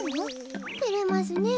てれますねえ。